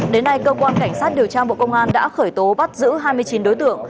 đến nay cơ quan cảnh sát điều tra bộ công an đã khởi tố bắt giữ hai mươi chín đối tượng